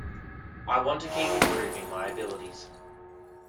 I want to keep improving my abilities.